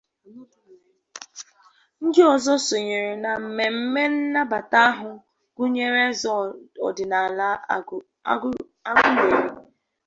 Ndị ọzọ sonyere na mmemme nnabata ahụ gụnyèrè eze ọdịnala Agụleri